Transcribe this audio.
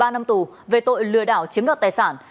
một mươi ba năm tù về tội lừa đảo chiếm đọt tài sản